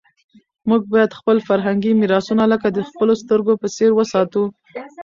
موږ باید خپل فرهنګي میراثونه لکه د خپلو سترګو په څېر وساتو.